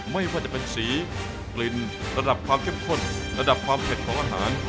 ไม่ว่าจะเป็นสีกลิ่นระดับความเข้มข้นระดับความเผ็ดของอาหาร